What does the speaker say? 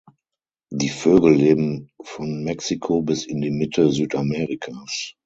Die Vögel leben von Mexiko bis in die Mitte Südamerikas.